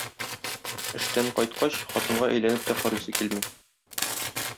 Эштән кайткач, хатынга әйләнеп тә карыйсы килми.